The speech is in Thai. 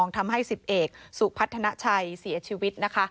ทำให้๑๐เอกสุพัฒนาชัยเสียชีวิตนะคะ